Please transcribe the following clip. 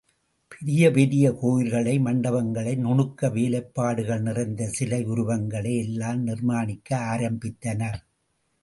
பெரிய பெரிய கோயில்களை, மண்டபங்களை, நுணுக்க வேலைப்பாடுகள் நிறைந்த சிலை உருவங்களை எல்லாம் நிர்மாணிக்க ஆரம்பித்தனர்.